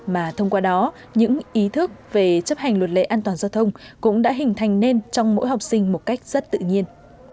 mà thông qua đó những ý thức về chấp hành luật lệ an toàn giao thông cũng đã hình thành nên trong mỗi học sinh một cách rất tự nhiên